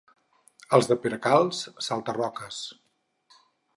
Els de Peracalç, salta-roques.